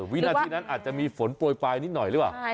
วินาทีนั้นอาจจะมีฝนโปรยปลายนิดหน่อยหรือเปล่า